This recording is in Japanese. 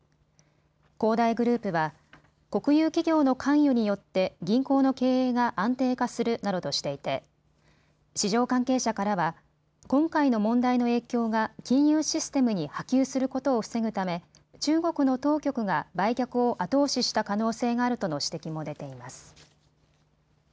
恒大グループは国有企業の関与によって銀行の経営が安定化するなどとしていて市場関係者からは今回の問題の影響が金融システムに波及することを防ぐため中国の当局が売却を後押しした可能性があるとの指摘も出ています。